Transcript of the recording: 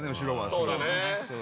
そうだね